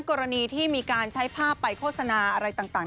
กรณีที่มีการใช้ภาพไปโฆษณาอะไรต่าง